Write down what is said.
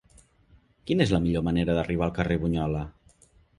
Quina és la millor manera d'arribar al carrer de Bunyola?